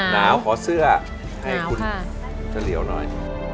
๖น้องของต์เสื้อให้ค่ะต้นจำน้อย